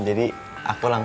jadi aku mau pulang